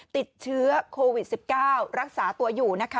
ติดเชื้อโควิด๑๙รักษาตัวอยู่นะคะ